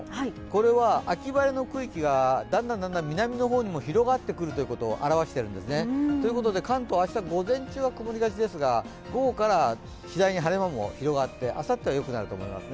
これは秋晴れの区域がだんだん南の方にも広がっていくということを表してるんですね。ということで関東、明日は午前中、曇りがちですが、午後から次第に晴れ間も広がって、あさってはよくなると思います。